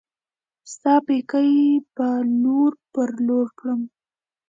ستا پيکی به لور پر لور کړم